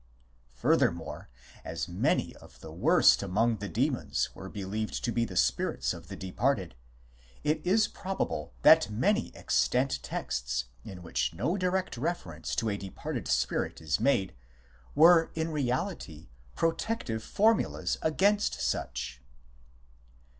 Furthermore, as many of the worst among the demons were believed to be the spirits of the departed, it is probable that many extant texts in which no direct reference to a departed spirit is made, were in reality protective formulas against such.